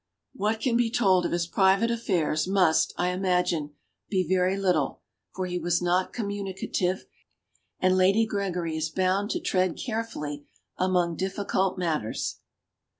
What can be told of his private affairs must, I imagrine, be very little, for he was not conununicative, and Lady Gregory is bound to tread carefully among diffi cult matters.